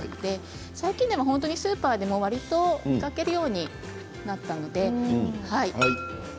最近スーパーでもわりと見かけるようになったので。